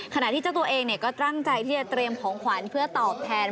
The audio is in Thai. ขณะที่เจ้าตัวเองก็ตั้งใจที่จะเตรียมของขวัญเพื่อตอบแทน